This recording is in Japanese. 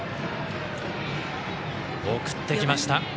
送ってきました。